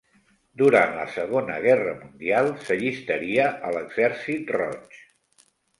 Durant la Segona Guerra Mundial s'allistaria a l'Exèrcit Roig.